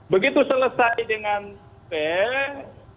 begitu selesai dengan peh